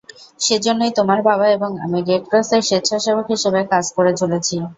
সেজন্যই তোমার বাবা এবং আমি রেড ক্রসের সেচ্ছাসেবক হিসেবে কাজ করে চলেছি।